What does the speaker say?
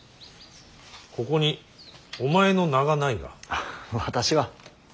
ここにお前の名がないが。